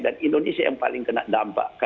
dan indonesia yang paling kena dampak